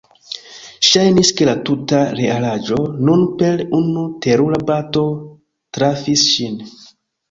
Ŝajnis, ke la tuta realaĵo nun per unu terura bato trafis ŝin.